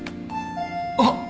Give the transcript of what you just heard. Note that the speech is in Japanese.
あっ！